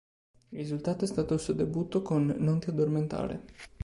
Il risultato è stato il suo debutto con "Non ti addormentare".